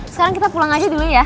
sekarang kita pulang aja dulu ya